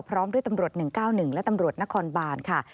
พร้อมด้วยตำรวจ๑๙๑และตำรวจนครบานค่ะ